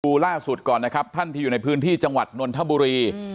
ล่าสุดก่อนนะครับท่านที่อยู่ในพื้นที่จังหวัดนนทบุรี